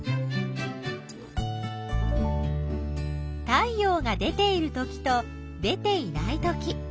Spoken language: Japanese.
太陽が出ているときと出ていないとき。